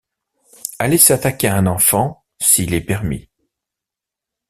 Aller s’attaquer à un enfant, s’il est permis!